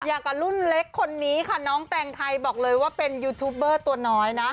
อย่างกับรุ่นเล็กคนนี้ค่ะน้องแต่งไทยบอกเลยว่าเป็นยูทูปเบอร์ตัวน้อยนะ